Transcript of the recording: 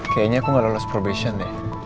kayaknya aku gak lolos probation deh